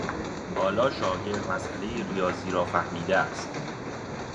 حالا شاگرد مسأله ریاضی را فهمیده است.